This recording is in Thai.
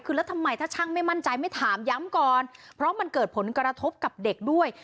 คือแล้วทำไมถ้าช่างไม่มั่นใจไม่ถามย้ำก่อนเพราะมันเกิดผลกระทบกับเด็กด้วย